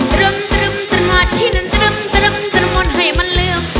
ตรึมตรึมตรึมหวาดที่นึนตรึมตรึมตรึมมนต์ให้มันเลื่อม